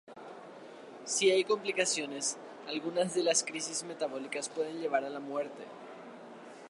Si hay complicaciones, alguna de las crisis metabólicas puede llevar a la muerte.